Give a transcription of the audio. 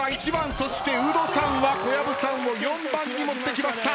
そしてウドさんは小籔さんを４番に持ってきました。